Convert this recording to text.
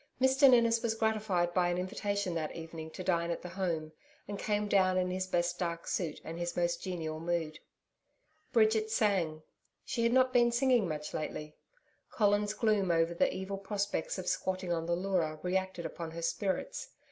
Mr Ninnis was gratified by an invitation that evening to dine at the Home, and came down in his best dark suit and his most genial mood. Bridget sang. She had not been singing much lately. Colin's gloom over the evil prospects of squatting on the Leura re acted upon her spirits.